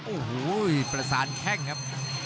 โอ้โหประสานแข้งครับ